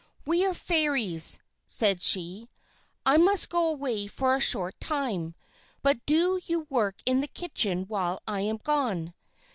"We are Fairies," said she. "I must go away for a short time, but do you work in the kitchen while I am gone.